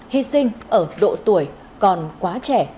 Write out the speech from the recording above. hi sinh ở độ tuổi còn quá trẻ